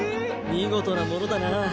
見事なものだな